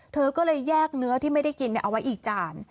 เธอก็เลยแยกเนื้อที่ไม่ได้กินเอาไว้อีกจาน